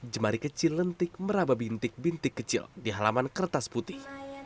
jemari kecil lentik meraba bintik bintik kecil di halaman kertas putih